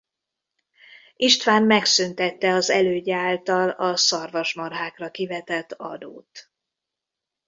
István megszüntette az elődje által a szarvasmarhákra kivetett adót.